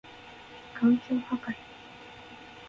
環境破壊